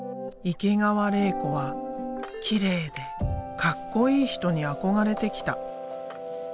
池川れい子はきれいでかっこいい人に憧れてきた。